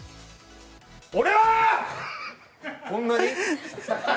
俺は！